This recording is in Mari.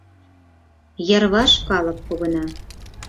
Йырваш калык погына.